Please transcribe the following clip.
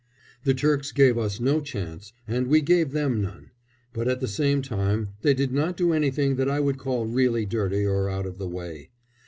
The Turks gave us no chance and we gave them none; but at the same time they did not do anything that I would call really dirty or out of the way.